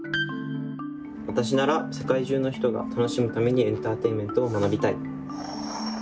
わたしなら世界中の人が楽しむためにエンターテインメントを学びたい。